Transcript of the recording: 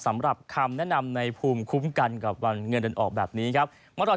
สำหรับคำแนะนำในภูมิคุ้มกันกับวันเงินเดือนออกแบบนี้ครับ